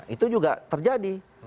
itu juga terjadi